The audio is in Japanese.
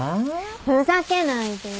ふざけないでよ。